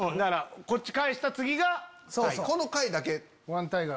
こっち返した次が太賀。